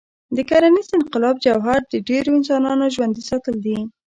د کرنيز انقلاب جوهر د ډېرو انسانانو ژوندي ساتل دي.